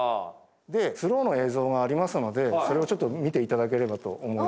でスローの映像がありますのでそれをちょっと見て頂ければと思います。